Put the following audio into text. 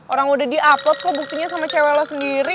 orang udah di upload kok buktinya sama cewek lo sendiri